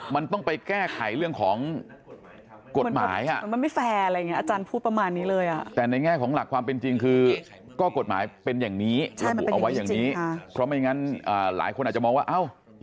มันต้องไปแก้ไขเรื่องของกฎหมายอ่ะ